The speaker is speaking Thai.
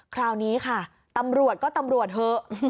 คราวนี้ค่ะตำรวจก็ตำรวจเถอะ